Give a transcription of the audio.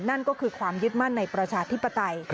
นั่นก็คือความยึดมั่นในประชาธิปไตย